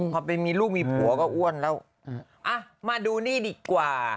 พอไปมีลูกมีผัวก็อ้วนแล้วอ่ะมาดูนี่ดีกว่า